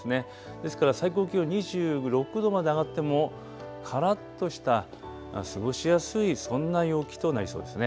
ですから最高気温２６度まで上がってもからっとした過ごしやすいそんな陽気となりそうですね。